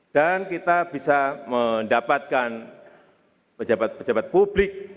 dan kita bisa mendapatkan pejabat pejabat publik